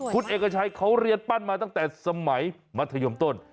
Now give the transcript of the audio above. คุณเอกชัยเขาเรียนปั้นมาตั้งแต่สมัยมัธยมต้น